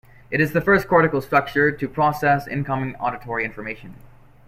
It is the first cortical structure to process incoming auditory information.